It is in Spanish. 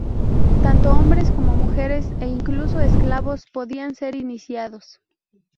Tanto hombres, como mujeres e incluso esclavos podían ser iniciados.